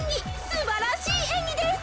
すばらしいえんぎです。